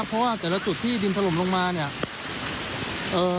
เพราะว่าแต่ละจุดที่ดินถล่มลงมาเนี่ยเอ่อ